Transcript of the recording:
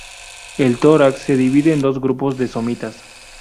El tórax se divide en dos grupos de somitas.